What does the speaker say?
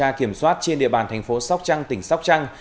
kiểm tra kiểm soát trên địa bàn thành phố sóc trăng tỉnh sóc trăng